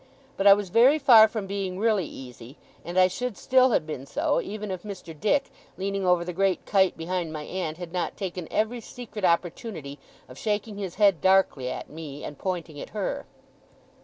But I was very far from being really easy; and I should still have been so, even if Mr. Dick, leaning over the great kite behind my aunt, had not taken every secret opportunity of shaking his head darkly at me, and pointing at her.